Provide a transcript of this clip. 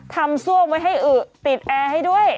ทำซ่วงไว้ให้อื๋อติดแอร์ให้ด้วย